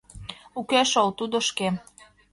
— Уке шол, тудо шке.